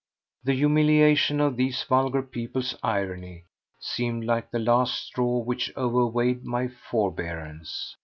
The humiliation of these vulgar people's irony seemed like the last straw which overweighed my forbearance.